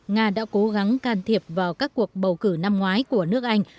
nga đã cố gắng can thiệp vào các cuộc bầu cử năm ngoái của nước anh